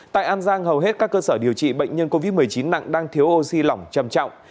tại an giang hầu hết các cơ sở điều trị bệnh nhân covid một mươi chín nặng đang thiếu oxy lỏng trầm trọng